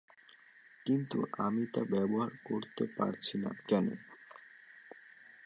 কিন্তু আমি তা ব্যবহার করতে পারছি না কেন?